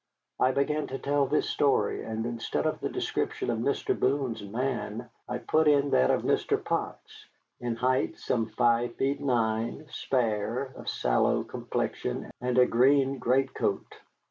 I began to tell this story, and instead of the description of Mr. Boone's man, I put in that of Mr. Potts, in height some five feet nine, spare, of sallow complexion and a green greatcoat."